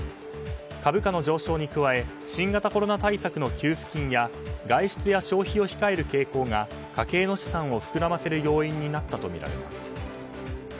株価の上昇に加え新型コロナ対策の給付金や外出や消費を控える傾向が家計の資産を膨らませる要因になったとみられます。